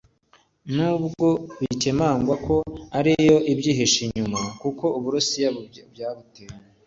nubwo bikemangwa ko ariyo ibyihishe inyuma kuko Abarusiya batahwemye gukurikirana ikoranabuhanga ry’abanyepolitiki muri Amerika